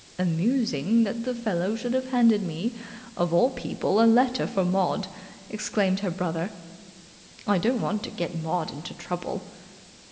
"Amusing that the fellow should have handed me of all people a letter for Maud," explained her brother. "I don't want to get Maud into trouble."